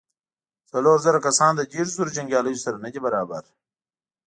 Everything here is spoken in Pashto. څلور زره کسان له دېرشو زرو جنګياليو سره نه دې برابر.